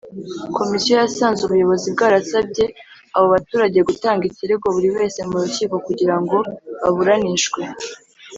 Komisiyo yasanze ubuyobozi bwarasabye abo baturage gutanga ikirego buri wese mu rukiko kugira ngo baburanishwe